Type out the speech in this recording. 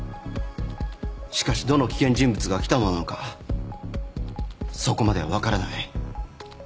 しかしどの危険人物が喜多野なのかそこまでは分からない。